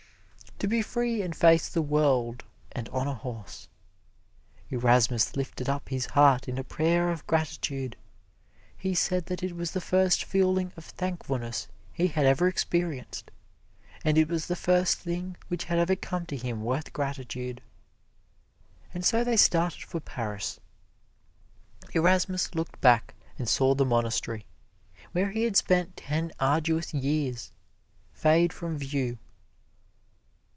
To be free and face the world and on a horse! Erasmus lifted up his heart in a prayer of gratitude. He said that it was the first feeling of thankfulness he had ever experienced, and it was the first thing which had ever come to him worth gratitude. And so they started for Paris. Erasmus looked back and saw the monastery, where he had spent ten arduous years, fade from view.